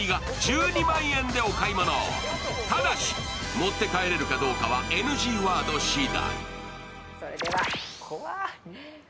持って帰れるかどうかはＮＧワードしだい。